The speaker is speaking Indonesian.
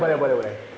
boleh boleh boleh